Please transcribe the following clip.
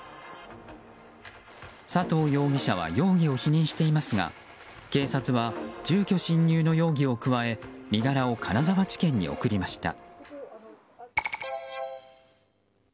佐藤容疑者は容疑を否認していますが警察は住居侵入の容疑を加え身柄を金沢地検に送りました。